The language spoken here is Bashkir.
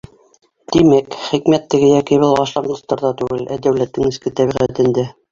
Тимәк, хикмәт теге йәки был башланғыстарҙа түгел, ә дәүләттең эске тәбиғәтендә.